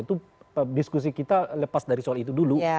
itu diskusi kita lepas dari soal itu dulu